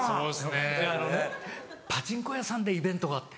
あのねパチンコ屋さんでイベントがあって。